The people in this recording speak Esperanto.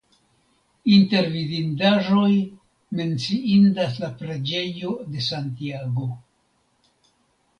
Inter vidindaĵoj menciindas la preĝejo de Santiago.